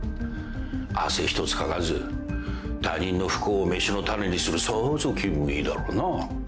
汗一つかかず他人の不幸を飯の種にするさぞ気分いいだろうな。